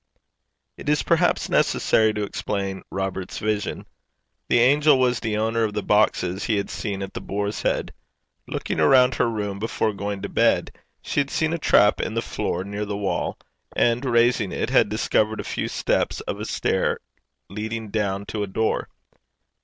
It is perhaps necessary to explain Robert's vision. The angel was the owner of the boxes he had seen at The Boar's Head. Looking around her room before going to bed, she had seen a trap in the floor near the wall, and raising it, had discovered a few steps of a stair leading down to a door.